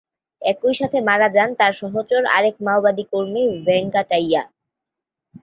একই সাথে মারা যান তাঁর সহচর আরেক মাওবাদী কর্মী ভেঙ্কাটাইয়্যা।